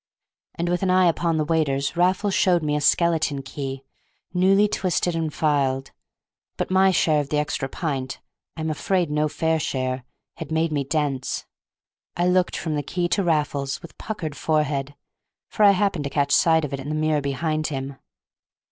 And, with an eye upon the waiters, Raffles showed me a skeleton key, newly twisted and filed; but my share of the extra pint (I am afraid no fair share) had made me dense. I looked from the key to Raffles with puckered forehead—for I happened to catch sight of it in the mirror behind him.